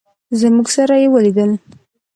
زموږ سره یې ولیدل.